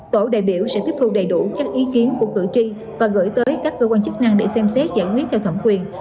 tổ đại biểu sẽ tiếp thu đầy đủ các ý kiến của cử tri và gửi tới các cơ quan chức năng để xem xét giải quyết theo thẩm quyền